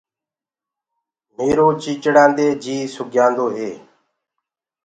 ميرو چيچڙآندي جي کرآب هوندو هي۔